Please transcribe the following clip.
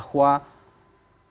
saya merasa rapuh